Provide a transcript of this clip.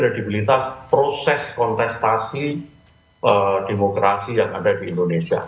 kredibilitas proses kontestasi demokrasi yang ada di indonesia